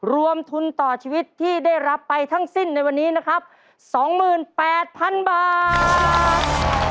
รวมทุนต่อชีวิตที่ได้รับไปทั้งสิ้นในวันนี้นะครับ๒๘๐๐๐บาท